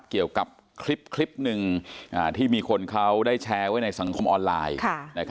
เกี่ยวกับคลิปหนึ่งที่มีคนเขาได้แชร์ไว้ในสังคมออนไลน์